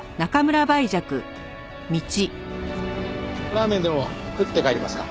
ラーメンでも食って帰りますか？